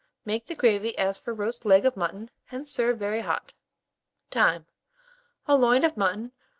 Make the gravy as for roast leg of mutton, and serve very hot. [Illustration: LOIN OF MUTTON.